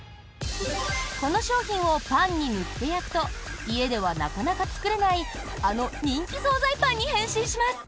この商品をパンに塗って焼くと家ではなかなか作れないあの人気総菜パンに変身します。